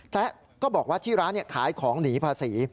ก็บอกว่าที่ร้านขายของหนีภาษี